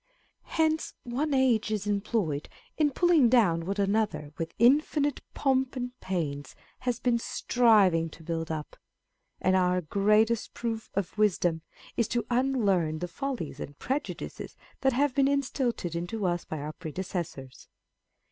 Hence one age is employed in pulling down what another with infinite pomp and pains has been striving to build up ; and our greatest proof of wisdom is to unlearn the follies and prejudices â€¢ that have been instilled into us by our predecessors.